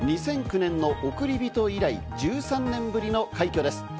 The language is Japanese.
２００９年の『おくりびと』以来１３年ぶりの快挙です。